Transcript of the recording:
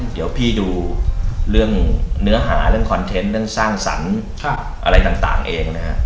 เดี๋ยวพี่ดูเรื่องเนื้อหาเรื่องคอนเทนต์เรื่องสร้างสรรค์อะไรต่างเองนะฮะ